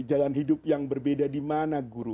jalan hidup yang berbeda dimana guru